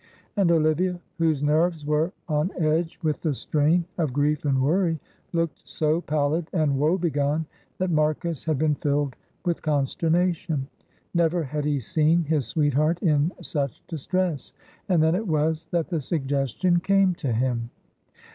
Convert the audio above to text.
And Olivia, whose nerves were on edge with the strain of grief and worry, looked so pallid and woebegone that Marcus had been filled with consternation. Never had he seen his sweetheart in such distress, and then it was that the suggestion came to him.